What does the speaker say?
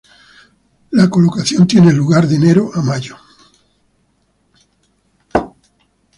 La colocación tiene lugar de enero a mayo.